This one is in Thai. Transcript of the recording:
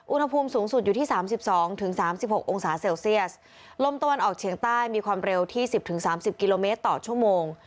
อุณหภูมิสูงสุดอยู่ที่สามสิบสองถึงสามสิบหกองศาเซลเซียสลมตะวันออกเฉียงใต้มีความเร็วที่สิบถึงสามสิบกิโลเมตรต่อชั่วโมง